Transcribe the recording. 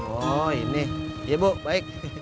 oh ini ya bu baik